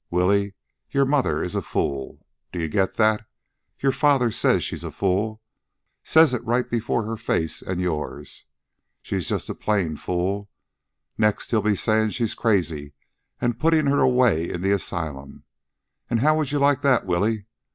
"Willie, your mother is a fool. Do you get that? Your father says she's a fool says it right before her face and yourn. She's just a plain fool. Next he'll be sayin' she's crazy an' puttin' her away in the asylum. An' how will you like that, Willie?